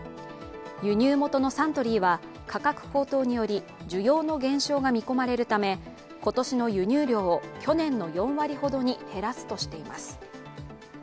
輸入元のサントリーは価格高騰により需要の減少が見込まれるため、今年の輸入量を、去年の４割ほどに減らすとしています。